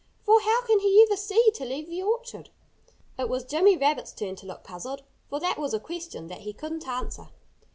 For how can he ever see to leave the orchard?" It was Jimmy Rabbit's turn to look puzzled, for that was a question that he couldn't answer.